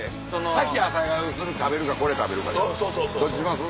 先朝粥すぐ食べるかこれ食べるかどっちにします？